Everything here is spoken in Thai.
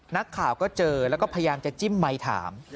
นักข่าวก็เจอแล้วก็พยายามจะจิ้มไมค์ถาม